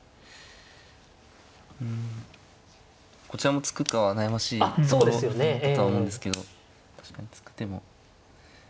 うんこちらも突くかは悩ましいところだとは思うんですけど確かに突く手も。